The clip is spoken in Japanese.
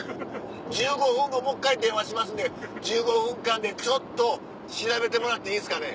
１５分後もう１回電話しますんで１５分間でちょっと調べてもらっていいですかね？